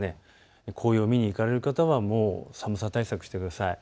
紅葉を見に行かれる方はもう寒さ対策をしてください。